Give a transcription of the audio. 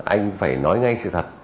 anh phải nói ngay sự thật